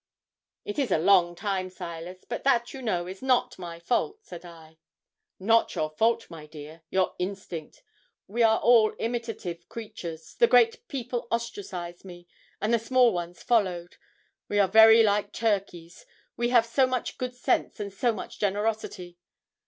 '"It is a long time, Silas; but that, you know, is not my fault," said I. '"Not your fault, my dear your instinct. We are all imitative creatures: the great people ostracised me, and the small ones followed. We are very like turkeys, we have so much good sense and so much generosity.